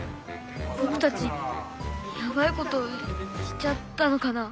ぼくたちヤバいことしちゃったのかな。